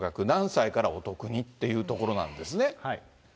何歳からお得に？っていうところなんですね。